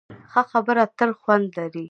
ښه خبره تل خوند لري.